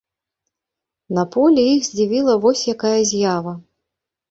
На полі іх здзівіла вось якая з'ява.